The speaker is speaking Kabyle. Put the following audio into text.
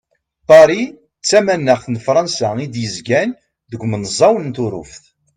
Paris d tamanaxt n Frans i d-yezgan deg umenẓaw n Turuft.